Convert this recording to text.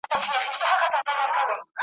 ړنګول مي معبدونه هغه نه یم `